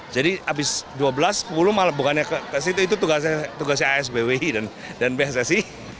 jadi abis u dua belas malah bukannya ke situ itu tugasnya asbw dan pssi